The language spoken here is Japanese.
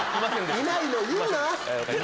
いないの言うな！